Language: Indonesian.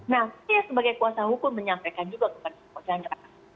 nah saya sebagai kuasa hukum menyampaikan juga kepada joko chandra